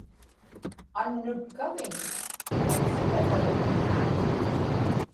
annutkaviñ iqsiñapaluktutin